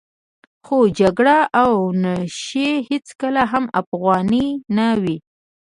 خو جګړې او نشې هېڅکله هم افغاني نه وې.